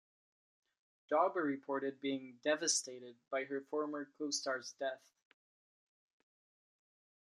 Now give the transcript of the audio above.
Dawber reported being "devastated" by her former costar's death.